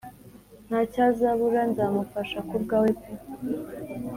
ntacyazabura nzamufasha kubwawe pee